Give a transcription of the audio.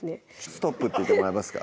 ストップって言ってもらえますか